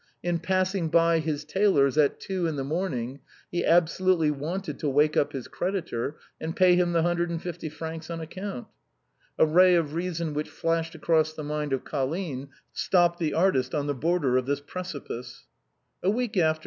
In passing by his tailor's, at two in the morning, he absolutely wanted to wake up his creditor, and pay him the hundred and fifty francs on account. A ray of reason which flashed THE PASSAGE OF THE RED SEA. 203 across the mind of Colline stopped the artist on the border of this precipice. A week after.